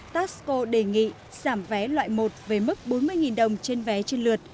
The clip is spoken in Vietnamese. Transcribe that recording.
taxco đề nghị giảm vé loại một về mức bốn mươi đồng trên vé trên lượt